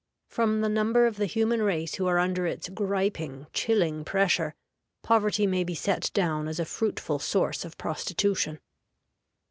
From the number of the human race who are under its griping, chilling pressure, poverty may be set down as a fruitful source of prostitution.